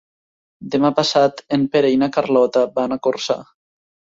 Demà passat en Pere i na Carlota van a Corçà.